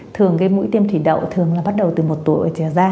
thường cái mũi tiêm thủy đậu thường là bắt đầu từ một tuổi trở ra